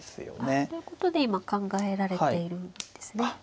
ということで今考えられているんですね。